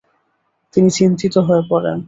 তিনি চিন্তিত হয়ে পড়েন।